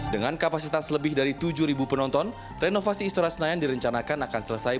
dengan kapasitas lebih dari tujuh penonton renovasi istora senayan direncanakan akan selesai